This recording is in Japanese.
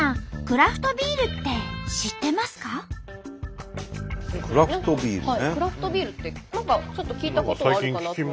クラフトビールって何かちょっと聞いたことはあるかなと。